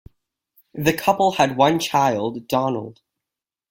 The couple had one child, Donald.